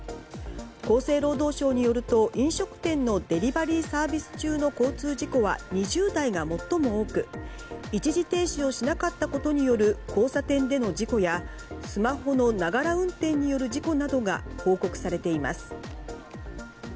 厚生労働省によると飲食店のデリバリーサービス中の交通事故は２０代が最も多く一時停止をしなかったことによる交差点での事故やスマホのながら運転による事故などが報告されています。